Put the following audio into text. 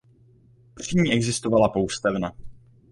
Při ní existovala poustevna.